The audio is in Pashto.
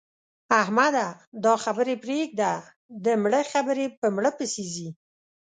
احمده! دا خبرې پرېږده؛ د مړه خبرې په مړه پسې ځي.